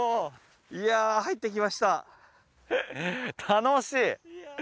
いや入ってきましたへえ